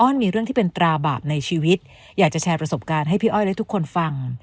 มีเรื่องที่เป็นตราบาปในชีวิตอยากจะแชร์ประสบการณ์ให้พี่อ้อยและทุกคนฟัง